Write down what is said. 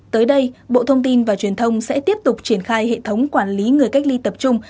tới đây bộ thông tin và truyền thông sẽ tiếp tục triển khai hệ thống quản lý người cách ly tập trung